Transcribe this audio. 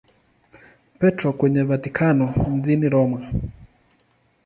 Petro kwenye Vatikano mjini Roma.